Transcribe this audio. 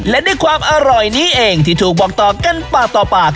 และด้วยความอร่อยนี้เองที่ถูกบอกต่อกันปากต่อปาก